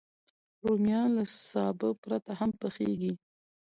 رومیان له سابه پرته هم پخېږي